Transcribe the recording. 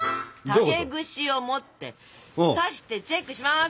竹串を持って刺してチェックします。